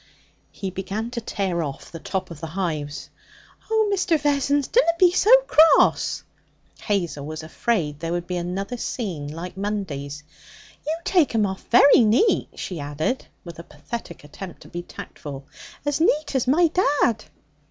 He began to tear off the tops of the hives. 'Oh, Mr. Vessons, dunna be so cross!' Hazel was afraid there would be another scene like Monday's. 'You take 'em off very neat,' she added, with a pathetic attempt to be tactful 'as neat as my dad.'